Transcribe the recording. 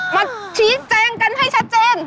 มาชี้แจงกันให้ชัดเจน